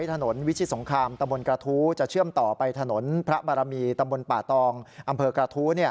ตามตำบลกระทู้จะเชื่อมต่อไปถนนพระมรมีตำบลป่าตองอำเภอกระทู้